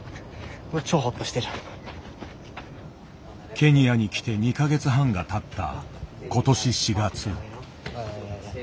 ケニアに来て２か月半がたった今年４月。